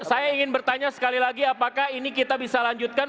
saya ingin bertanya sekali lagi apakah ini kita bisa lanjutkan